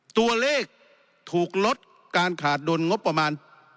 ตัวเลขถูกลดการขาดดุลงบประมาณ